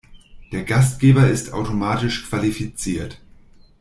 Der Gastgeber ist automatisch qualifiziert.